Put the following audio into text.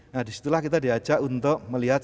nah disitulah kita diajak untuk melihat